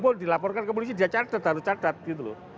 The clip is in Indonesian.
pun dilaporkan ke polisi dia cadet darut cadet